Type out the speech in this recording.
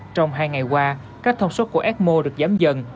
trong hai ngày qua các thông suất của ecmo được giám dần